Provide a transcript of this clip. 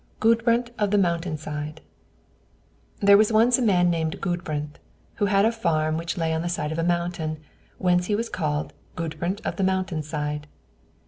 GUDBRAND OF THE MOUNTAIN SIDE There was once a man named Gudbrand, who had a farm which lay on the side of a mountain, whence he was called Gudbrand of the Mountain side.